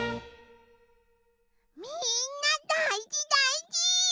みんなだいじだいじ！